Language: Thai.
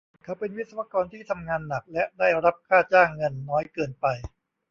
เขาเป็นวิศวกรที่ทำงานหนักและได้รับค่าจ้างเงินน้อยเกินไป